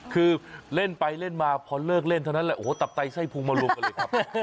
คือเล่นไปเล่นมาพอเลิกเล่นเท่านั้นแหละโอ้โหตับไตไส้พุงมารวมกันเลยครับ